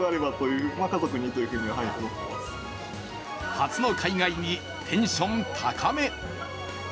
初の海外にテンション高め。